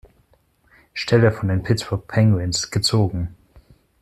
Stelle von den Pittsburgh Penguins gezogen.